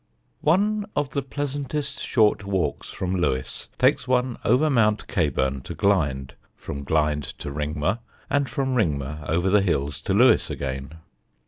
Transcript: One of the pleasantest short walks from Lewes takes one over Mount Caburn to Glynde, from Glynde to Ringmer, and from Ringmer over the hills to Lewes again.